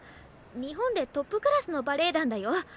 日本でトップクラスのバレエ団だよ。